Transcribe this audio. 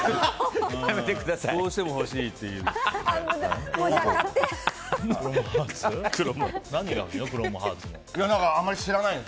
どうしても欲しいって言うんで。